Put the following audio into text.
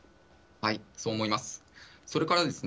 そう思います。